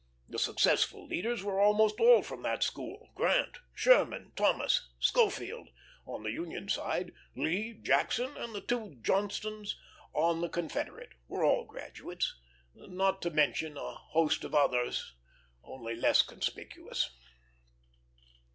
The successful leaders were almost all from that school: Grant, Sherman, Thomas, Schofield, on the Union side; Lee, Jackson, and the two Johnstons on the Confederate, were all graduates, not to mention a host of others only less conspicuous.